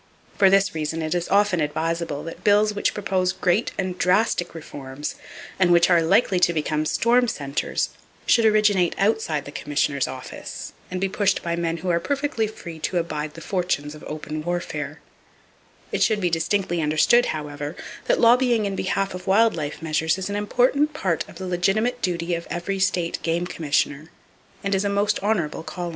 For this reason, it is often advisable that bills which propose great and drastic reforms, and which are likely to become storm centers, should originate outside the Commissioner's office, and be pushed by men who are perfectly free to abide the fortunes of open warfare. It should be distinctly understood, however, that lobbying in behalf of wild life measures is an important part of the legitimate duty of every state game commissioner, and is a most honorable calling. [Page 251] EDWARD HOWE FORBUSH Massachusetts State Ornithologist T.